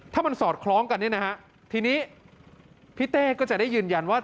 ถ้ามันสอดคล้องกันเนี่ยนะฮะทีนี้พี่เต้ก็จะได้ยืนยันว่า